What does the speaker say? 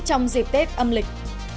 trong dịp tết âm lịch